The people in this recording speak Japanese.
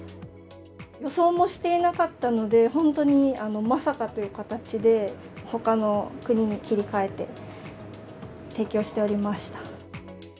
予想もしていなかったので、本当にまさかという形で、ほかの国に切り替えて、提供しておりました。